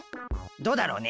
どうだろうね。